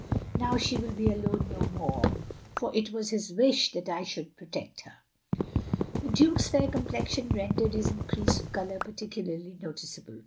Now she will be alone no more; for it was his wish that I should protect her. " The Duke's fair complexion rendered his increase of colour particularly noticeable.